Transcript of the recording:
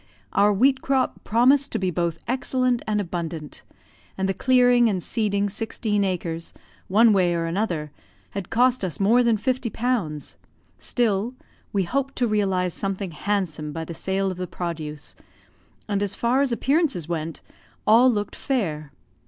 Our wheat crop promised to be both excellent and abundant; and the clearing and seeding sixteen acres, one way or another, had cost us more than fifty pounds, still, we hoped to realise something handsome by the sale of the produce; and, as far as appearances went, all looked fair.